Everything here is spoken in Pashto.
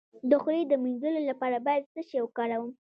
د خولې د مینځلو لپاره باید څه شی وکاروم؟